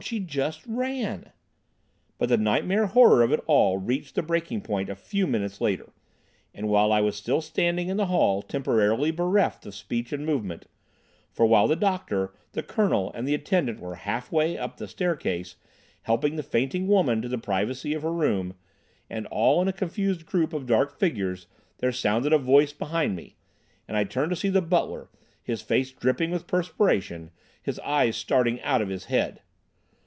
She just ran." But the nightmare horror of it all reached the breaking point a few minutes later, and while I was still standing in the hall temporarily bereft of speech and movement; for while the doctor, the Colonel and the attendant were half way up the staircase, helping the fainting woman to the privacy of her room, and all in a confused group of dark figures, there sounded a voice behind me, and I turned to see the butler, his face dripping with perspiration, his eyes starting out of his head.